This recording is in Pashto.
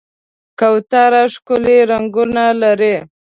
کوتره ښکلي رنګونه لري.